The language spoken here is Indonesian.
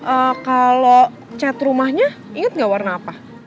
ehm kalo cat rumahnya inget gak warna apa